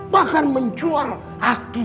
bahkan menjual akidah